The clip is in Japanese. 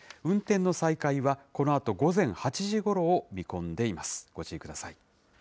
運転の再開はこのあと午前８時ごろを見込んでいます。